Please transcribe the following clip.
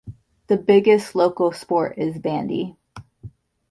The biggest local sport is bandy.